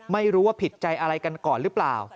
ไม่รู้ว่าผิดใจอะไรกันก่อนหรือเปล่า